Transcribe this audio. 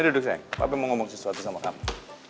duduk sayang papa mau ngomong sesuatu sama kamu